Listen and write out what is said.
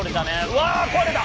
うわ壊れた！